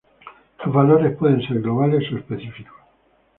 Los valores pueden ser globales o específicos.